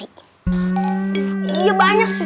iya banyak sih sapi aku tau banyak sapi